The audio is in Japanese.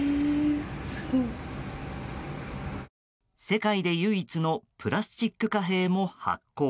世界で唯一のプラスチック貨幣も発行。